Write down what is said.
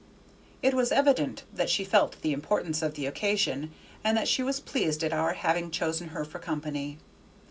It was evident that she felt the importance of the occasion, and that she was pleased at our having chosen her for company.